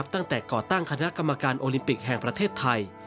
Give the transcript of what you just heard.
ก่อตั้งคณะกรรมการโอลิมปิกแห่งประเทศไทย